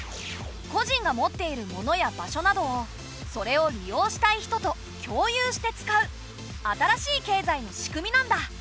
個人が持っている物や場所などをそれを利用したい人と共有して使う新しい経済の仕組みなんだ。